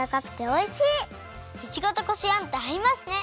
いちごとこしあんってあいますね！